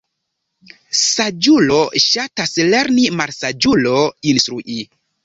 Saĝulo ŝatas lerni, malsaĝulo instrui.